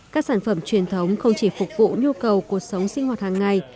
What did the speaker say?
các sản phẩm truyền thống không chỉ phục vụ nhu cầu cuộc sống sinh hoạt hàng ngày